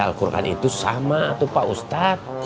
baca quran itu sama atau pak ustadz